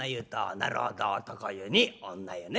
なるほど男湯に女湯ね。